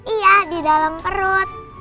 iya di dalam perut